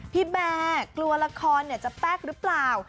แบร์กลัวละครจะแป๊กหรือเปล่า